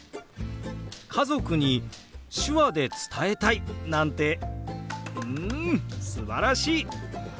家族に手話で伝えたいなんてうんすばらしい！